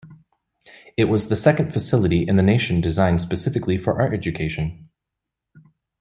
It was the second facility in the nation designed specifically for art education.